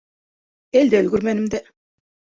Әлдә өлгөргәнмен дә.